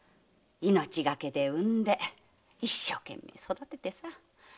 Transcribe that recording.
命がけで産んで一生懸命育ててさ